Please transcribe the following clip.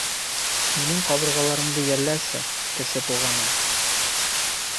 — Минең ҡабырғаларымды йәлләсе, Кесе Туғаным.